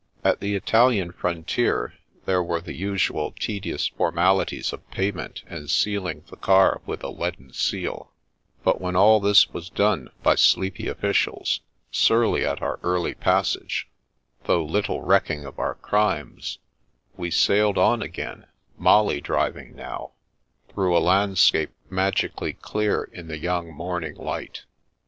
At the Italian frontier there were the usual tedious formalities of pajrment and sealing the car with a leaden seal ; but when all this was done by sleepy officials, surly at our early passage, though little recking of our crimes, we sailed on again, Molly driving now, through a landscape magically clear in the young morning light.